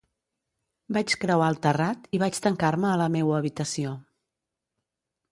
Vaig creuar el terrat i vaig tancar-me a la meua habitació.